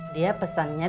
dia pesan saja